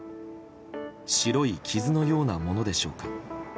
白い傷のようなものでしょうか。